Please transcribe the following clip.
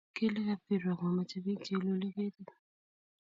kile kap kirwak mamache pik che ilule ketit